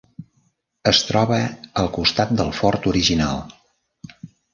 Es troba al costat del fort original.